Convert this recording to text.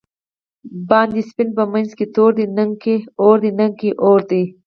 باندی سپین په منځ کی تور دۍ، نگه اور دی نگه اور دی